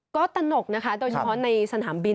ก็ตนกนะคะโดยเฉพาะในสนามบิน